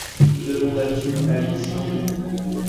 demanda-t-il à l’Islandais.